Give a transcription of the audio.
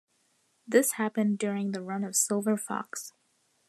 This happened during the run of "Silver Fox".